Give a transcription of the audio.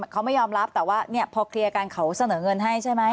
เขาไม่ยอมรับแต่ว่าพอเคลียร์กันเขาเสนอเงินให้ใช่ไหม